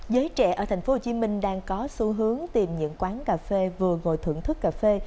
giới trẻ ở thành phố hồ chí minh đang có xu hướng tìm những quán cà phê vừa ngồi thưởng thức cà phê